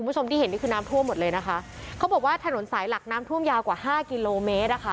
คุณผู้ชมที่เห็นนี่คือน้ำท่วมหมดเลยนะคะเขาบอกว่าถนนสายหลักน้ำท่วมยาวกว่าห้ากิโลเมตรอ่ะค่ะ